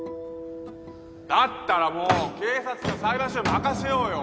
だったらもう警察か裁判所に任せようよ